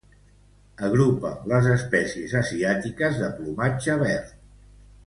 Agrupa les espècies asiàtiques de plomatge verd.